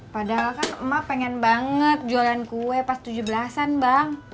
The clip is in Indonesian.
padahal kan emak pengen banget jualan kue pas tujuh belas an bang